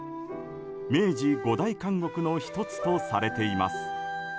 明治五大監獄の１つとされています。